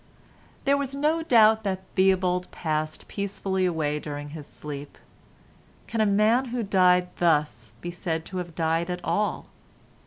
There was no doubt that Theobald passed peacefully away during his sleep. Can a man who died thus be said to have died at all?